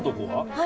はい。